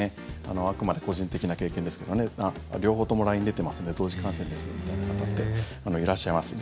あくまで個人的な経験ですけど両方ともライン出てますね同時感染ですみたいな方っていらっしゃいます。